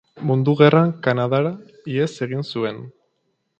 Mundu Gerran Kanadara ihes egin zuen.